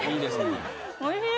おいしい！